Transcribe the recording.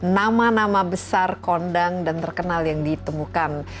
nama nama besar kondang dan terkenal yang ditemukan